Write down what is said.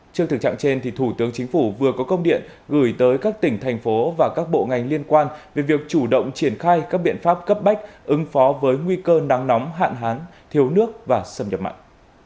trước thực trạng trên thủ tướng chính phủ vừa có công điện gửi tới các tỉnh thành phố và các bộ ngành liên quan về việc chủ động triển khai các biện pháp cấp bách ứng phó với nguy cơ nắng nóng hạn hán thiếu nước và xâm nhập mạng